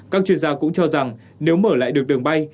các chuyên gia cũng cho rằng nếu mở lại được đường bay